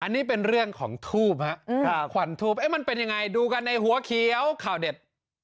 อันนี้เป็นเรื่องของทูบฮะขวัญทูปมันเป็นยังไงดูกันในหัวเขียวข่าวเด็ด